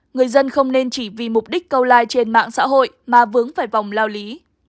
người dân không nên chỉ vì mục đích câu like trên mạng xã hội mà vướng phải vòng lao lý